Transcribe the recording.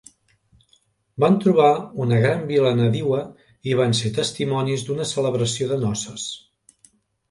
Van trobar una gran Vila nadiua i van ser testimonis d'una celebració de noces.